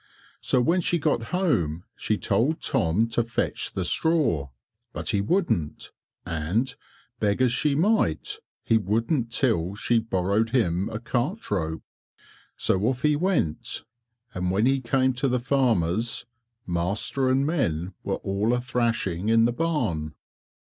So when she got home she told Tom to fetch the straw, but he wouldn't and, beg as she might, he wouldn't till she borrowed him a cart rope. So off he went, and when he came to the farmer's, master and men were all a trashing in the barn.